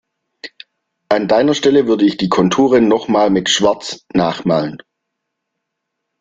An deiner Stelle würde ich die Konturen noch mal mit Schwarz nachmalen.